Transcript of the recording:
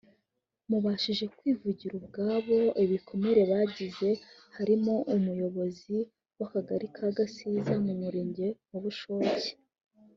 Mu babashije kwivugira ubwabo ibikomere bagize harimo umuyobozi w’akagari ka Gasiza mu murenge wa Bushoki